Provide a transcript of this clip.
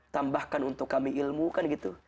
tambahkan untuk kami ilmu kan gitu